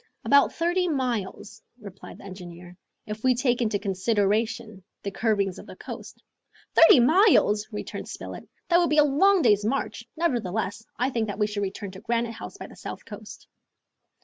"About thirty miles," replied the engineer, "if we take into consideration the curvings of the coast." "Thirty miles!" returned Spilett. "That would be a long day's march. Nevertheless, I think that we should return to Granite House by the south coast."